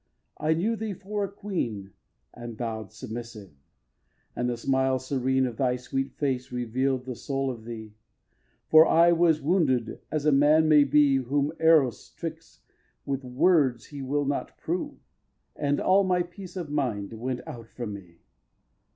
I knew thee for a queen And bow'd submissive; and the smile serene Of thy sweet face reveal'd the soul of thee. For I was wounded as a man may be Whom Eros tricks with words he will not prove; And all my peace of mind went out from me.